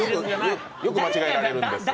よく間違えられるんですが。